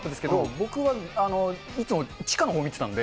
僕は、いつも地下のほうを見てたんで。